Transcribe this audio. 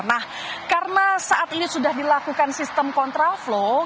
nah karena saat ini sudah dilakukan sistem kontraflow